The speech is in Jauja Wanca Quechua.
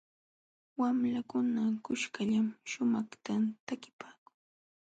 Wamlakuna kuskallam shumaqta takipaakun.